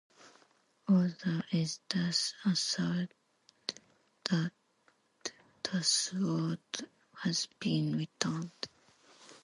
Arthur is thus assured that the sword has been returned.